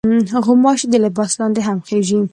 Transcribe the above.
غوماشې د لباس لاندې هم خېژي.